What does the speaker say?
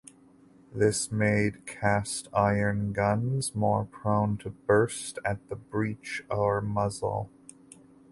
This made cast iron guns more prone to burst at the breech or muzzle.